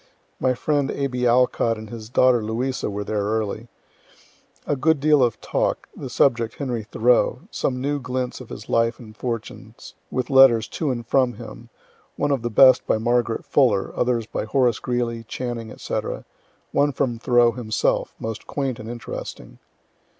My friend A. B. Alcott and his daughter Louisa were there early. A good deal of talk, the subject Henry Thoreau some new glints of his life and fortunes, with letters to and from him one of the best by Margaret Fuller, others by Horace Greeley, Channing, &c. one from Thoreau himself, most quaint and interesting.